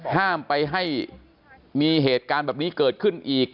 ห้ามไปให้มีเหตุการณ์แบบนี้เกิดขึ้นอีก